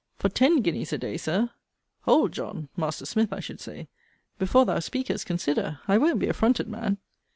For ten guineas a day, Sir Hold, John! (Master Smith I should say) Before thou speakest, consider I won't be affronted, man.